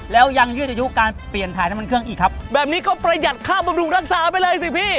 แล้วยังยืดอายุการเปลี่ยนถ่ายน้ำมันเครื่องอีกครับแบบนี้ก็ประหยัดค่าบำรุงรักษาไปเลยสิพี่